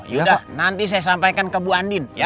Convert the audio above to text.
ya udah nanti saya sampaikan ke bu andin ya